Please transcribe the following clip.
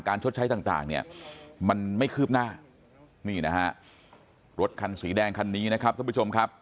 ชดใช้ต่างเนี่ยมันไม่คืบหน้านี่นะฮะรถคันสีแดงคันนี้นะครับท่านผู้ชมครับ